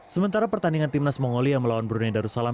sementara pertandingan tim nas mongolia melawan brunei darussalam